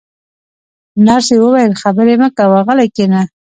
نرسې وویل: خبرې مه کوه، غلی کښېنه.